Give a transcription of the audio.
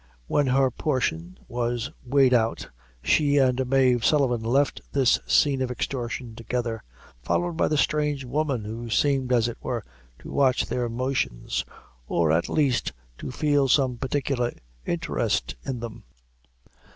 When her portion was weighed out, she and Mave Sullivan left this scene of extortion together, followed by the strange woman, who seemed, as it were, to watch their motions, or at least to feel some particular interest in them.